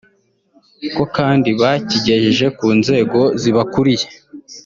ko kandi bakigejeje ku nzego zibakuriye